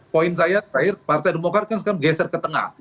poin saya terakhir partai demokrat kan sekarang geser ke tengah